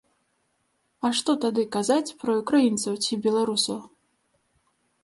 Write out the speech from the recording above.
А што тады казаць пра ўкраінцаў ці беларусаў?